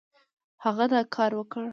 هغه دا کار وکړ.